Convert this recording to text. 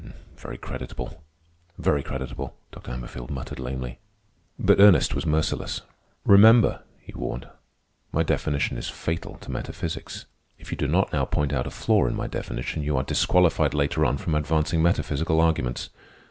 "Very creditable, very creditable," Dr. Hammerfield muttered lamely. But Ernest was merciless. "Remember," he warned, "my definition is fatal to metaphysics. If you do not now point out a flaw in my definition, you are disqualified later on from advancing metaphysical arguments.